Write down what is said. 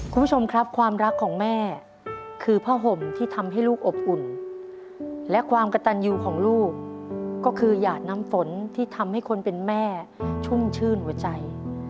คุณผู้ชมครับความรักของแม่คือผ้าห่มที่ทำให้ลูกอบอุ่นและความกระตันอยู่ของลูกก็คือหยาดน้ำฝนที่ทำให้คนเป็นแม่ชุ่มชื่นหัวใจ